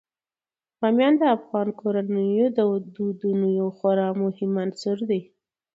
بامیان د افغان کورنیو د دودونو یو خورا مهم عنصر دی.